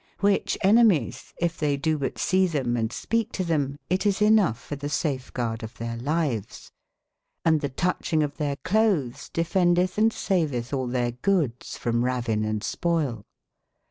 ^hy che enemyes, yf they doo but see them and speake to them, it is ynoughe for the savegarde of theire lyves*Hnd the touch/ ingof theire clothes def endeth & saveth al their gooddes from ravineandspoyle.